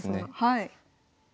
はい。